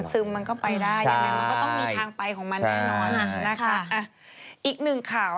มันซึมมันก็ไปได้ใช่อย่างนั้นมันก็ต้องมีทางไปของมันแน่นอนใช่อีกหนึ่งข่าว